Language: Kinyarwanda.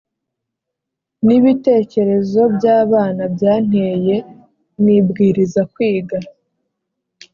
nibitekerezo byabana byanteye nibwiriza kwiga